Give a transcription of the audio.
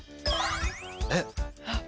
えっ。